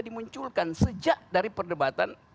dimunculkan sejak dari perdebatan